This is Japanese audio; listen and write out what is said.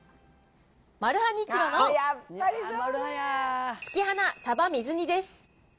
マルハニチロの月花さば水煮です。